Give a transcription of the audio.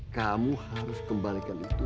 kamu harus kembalikan itu